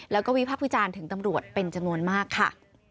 แล้วก็วิพักษ์วิจารณ์ถึงตำรวจเป็นจำนวนมากค่ะ